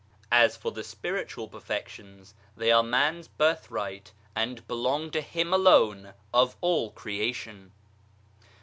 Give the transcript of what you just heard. As for the spiritual perfections they are man's birth right and belong to him alone of all creation.